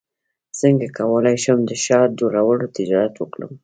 څنګه کولی شم د ښارۍ جوړولو تجارت وکړم